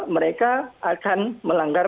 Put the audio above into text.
mereka akan melanggar